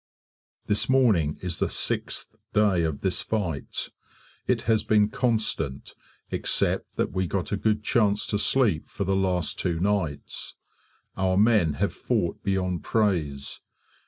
This morning is the sixth day of this fight; it has been constant, except that we got good chance to sleep for the last two nights. Our men have fought beyond praise.